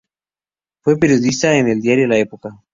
Fue periodista en el diario "La Época".